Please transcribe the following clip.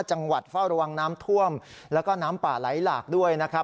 จังหวัดเฝ้าระวังน้ำท่วมแล้วก็น้ำป่าไหลหลากด้วยนะครับ